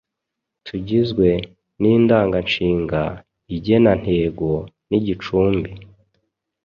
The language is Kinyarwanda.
tugizwe n’indanganshinga, igenantego n’igicumbi.